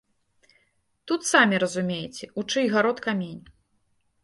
Тут самі разумееце, у чый гарод камень.